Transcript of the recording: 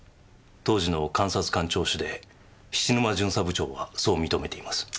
当時の監察官聴取で菱沼巡査部長はそう認めています。